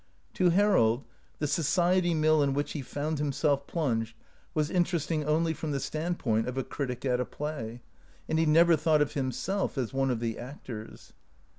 To Harold the society mill in which he found himself plunged was interesting only from the standpoint of a critic at a play, and he never thought of himself as one of the actors.